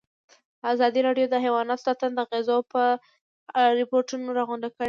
ازادي راډیو د حیوان ساتنه د اغېزو په اړه ریپوټونه راغونډ کړي.